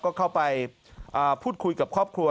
ก็เข้าไปพูดคุยกับครอบครัว